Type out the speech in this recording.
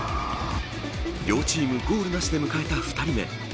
両チームゴールなしで迎えた２人目。